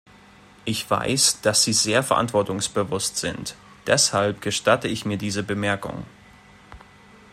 Ich weiß, dass Sie sehr verantwortungsbewusst sind, deshalb gestatte ich mir diese Bemerkung.